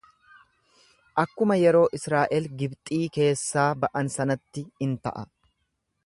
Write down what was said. Akkuma yeroo Israa'el Gibxii keessaa ba'an sanatti in ta'a.